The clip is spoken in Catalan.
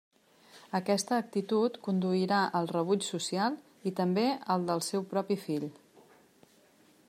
Aquesta actitud conduirà al rebuig social i també al del seu propi fill.